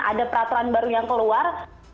ada peraturan baru yang keluar